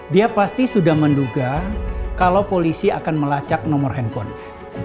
dia pasti sudah menduga kalau polisi akan melacak nomor handphonenya